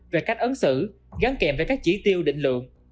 về cách ứng xử gắn kèm với các chỉ tiêu định lượng